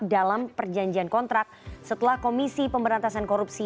dalam perjanjian kontrak setelah komisi pemberantasan korupsi